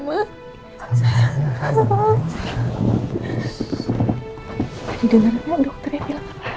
tadi dengarnya dokternya bilang apa